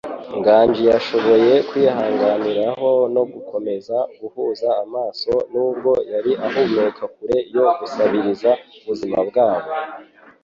Nganji yashoboye kwihagararaho no gukomeza guhuza amaso, nubwo, yari ahumeka kure yo gusabiriza ubuzima bwabo.